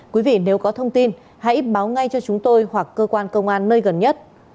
quý vị nếu có thông tin hãy báo ngay cho chúng tôi hoặc cơ quan công an nơi gần nhất